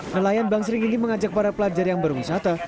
nelayan bangsring ini mengajak para pelajar yang berwisata